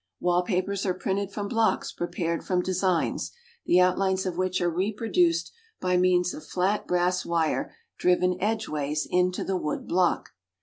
Wall papers are printed from blocks prepared from designs, the outlines of which are reproduced by means of flat brass wire driven edgeways into the wood block.